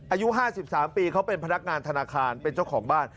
อายุ๕๓ปีเขาเป็นพนักงานธนาคารเป็นเจ้าของบ้าน